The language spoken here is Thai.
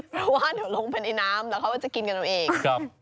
เพราะว่าเดี๋ยวลงไปในน้ำแล้วเขาก็จะกินกันเอาเอง